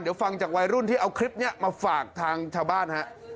เดี๋ยวฟังจากวัยรุ่นที่เอาคลิปนี้มาฝากทางชาวบ้านฮะ